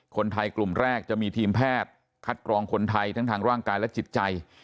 คนไทยกลุ่มแรกจะมีทีมแพทย์คัดกรองคนไทยทั้งทางร่างกายและจิตใจ